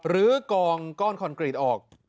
กองก้อนคอนกรีตออก